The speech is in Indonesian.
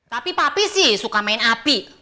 tapi papi sih suka main api